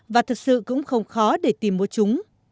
và thực sự cũng không khó để tìm mua chúng